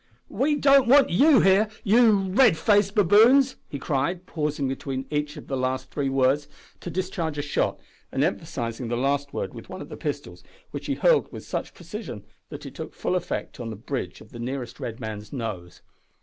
"We don't want you here, you red faced baboons!" he cried, pausing between each of the last three words to discharge a shot and emphasising the last word with one of the pistols, which he hurled with such precision that it took full effect on the bridge of the nearest red man's nose.